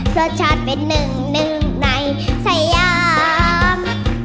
รสชาติเป็นหนึ่งในสยาม